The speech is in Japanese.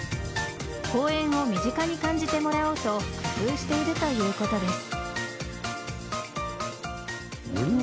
公園を身近に感じてもらおうと工夫しているということです。